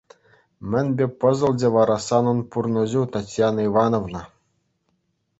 Мӗнпе пӑсӑлчӗ вара санӑн пурнӑҫу, Татьяна Ивановна?